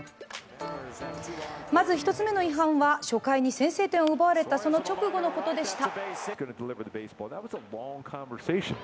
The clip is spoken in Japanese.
まず１つ目の違反は初回に先制点を奪われたその直後のことでした。